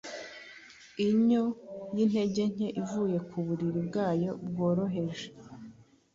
Inyo yintege nke ivuye ku buriri bwayo bworoheje,